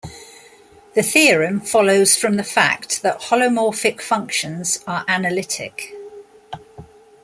The theorem follows from the fact that holomorphic functions are analytic.